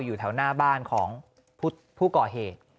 อยู่แถวหน้าบ้านของผู้ก่อเหตุ